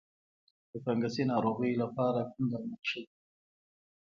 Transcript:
د فنګسي ناروغیو لپاره کوم درمل ښه دي؟